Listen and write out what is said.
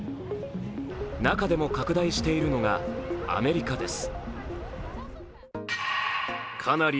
中でも拡大しているのがアメリカです。